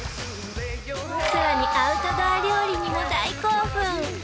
更にアウトドア料理にも大興奮！